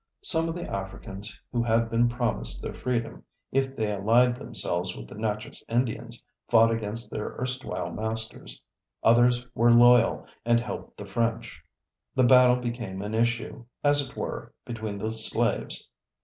Some of the Africans who had been promised their freedom if they allied themselves with the Natchez Indians, fought against their erstwhile masters, others were loyal, and helped the French. The battle became an issue, as it were, between the slaves.